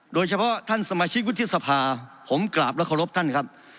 โดยเฉพาะท่านสมาชิกวุฒิสภาผมกราบและเคารพท่านครับ